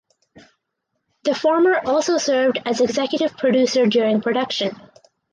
The former also served as executive producer during production.